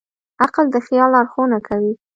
عقل د خیال لارښوونه کوي.